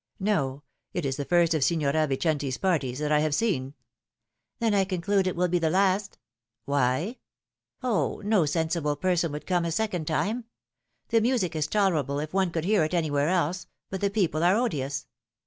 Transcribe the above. " No; it is the first of Signora Vicenti's parties that I have seen "" Then I conclude it will be the last." Why ?"'* 0, no sensible person would come a second time. The musio In the Morning of Lift. 263 is tolerable if one could hear it anywhere else, but the people are odious."